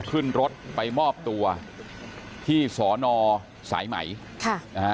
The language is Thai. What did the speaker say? ขึ้นรถไปมอบตัวที่สอนอสายไหมค่ะนะฮะ